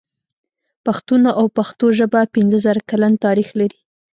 پښتون او پښتو ژبه پنځه زره کلن تاريخ لري.